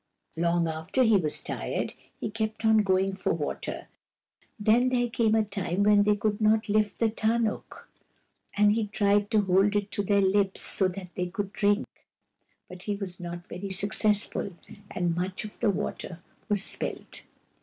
Long after he was tired he kept on going for water. Then KUR BO ROO, THE BEAR 213 there came a time when they could not lift the tarnuk, and he tried to hold it to their lips, so that they could drink ; but he was not very successful, and much of the water was spilt.